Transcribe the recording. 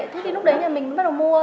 thế thì lúc đấy nhà mình bắt đầu mua